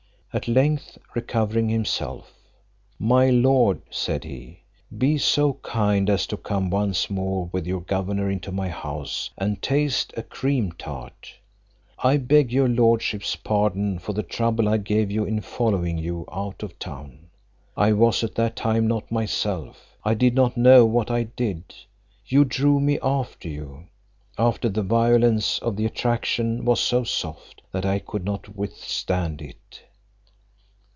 At length, recovering himself, "My lord," said he, "be so kind as to come once more with your governor into my house, and taste a cream tart. I beg your lordship's pardon, for the trouble I gave you in following you out of town; I was at that time not myself, I did not know what I did. You drew me after you, and the violence of the attraction was so soft, that I could not withstand it."